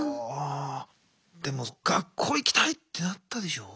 でも「学校行きたい！」ってなったでしょう？